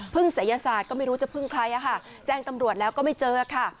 เพิ่งศัยยศาสตร์ก็ไม่รู้จะเพิ่งใครอะค่ะแจ้งตำรวจแล้วก็ไม่เจอค่ะ